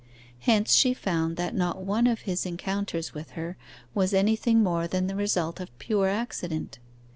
Hence she found that not one of his encounters with her was anything more than the result of pure accident.